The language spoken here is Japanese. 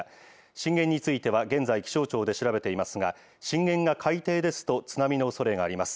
震源については、現在、気象庁で調べていますが、震源が海底ですと津波のおそれがあります。